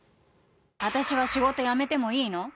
私は仕事、辞めてもいいの？